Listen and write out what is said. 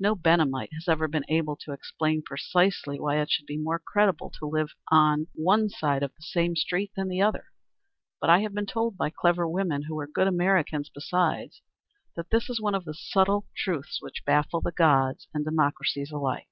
No Benhamite has ever been able to explain precisely why it should be more creditable to live on one side of the same street than on the other, but I have been told by clever women, who were good Americans besides, that this is one of the subtle truths which baffle the Gods and democracies alike.